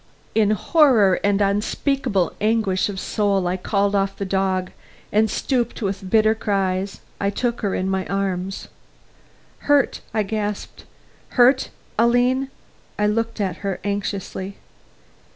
In horror and unspeakable anguish of soul I called off the dog; and, stooping with bitter cries, I took her in my arms. "Hurt?" I gasped. "Hurt, Aline?" I looked at her anxiously.